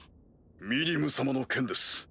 ミリム様の件です。